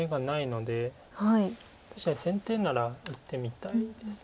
確かに先手なら打ってみたいです。